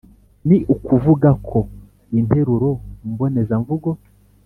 Ni ukuvuga ko interuro mbonezamvugo